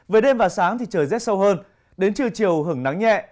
về đêm và sáng thì trời rét sâu hơn đến trưa chiều hưởng nắng nhẹ